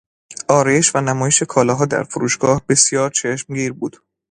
آرایش و نمایش کالاها در فروشگاه بسیار چشمگیر بود.